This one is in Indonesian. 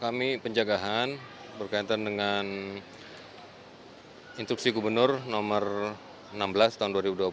kami penjagaan berkaitan dengan instruksi gubernur nomor enam belas tahun dua ribu dua puluh